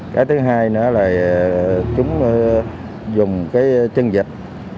cái thứ hai nữa là chúng dùng cái chân dịch